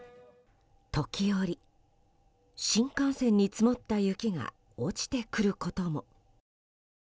時折、新幹線に積もった雪が落ちてくることも。